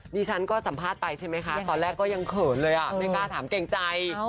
ดิฉันก็สัมภาษณ์ไปใช่ไหมคะตอนแรกก็ยังเขินเลยไม่กล้าถามเกรงใจ